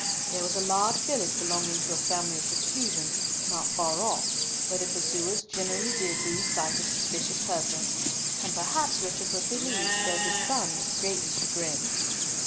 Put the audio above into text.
There was a large village belonging to a family of recusants, not far off, where the pursuers generally did lose sight of suspicious persons; and, perhaps, Richard was relieved, though his son was greatly chagrined.